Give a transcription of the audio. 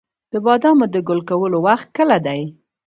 د بادامو د ګل کولو وخت کله دی؟